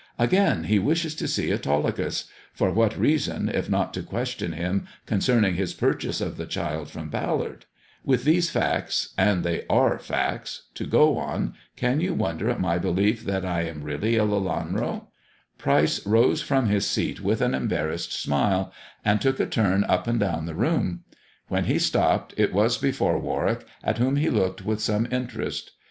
Again, he wishes to see Autolycus ; for what reason if not to question him concern ing Ids purchase of the child from Ballard 1 With these facts — and they are facts — to go on, can you wonder at my belief that I am really a Lelanro 1 " Pryce rose from his seat with an embarrassed smile and took a turn up and down the room. When he stopped, it was before Warwick, at whom he looked with some interest.